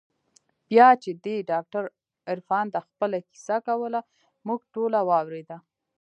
بيا چې دې ډاکتر عرفان ته خپله کيسه کوله موږ ټوله واورېده.